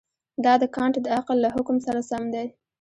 دا د کانټ د عقل له حکم سره سم دی.